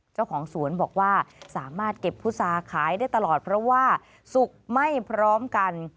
เจ้าของสวนบอกว่าสามารถเก็บพุษาขายได้ตลอดเพราะว่าสุกไม่พร้อมกัน